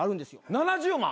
７０万！？